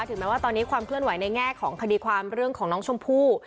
แม้ว่าตอนนี้ความเคลื่อนไหวในแง่ของคดีความเรื่องของน้องชมพู่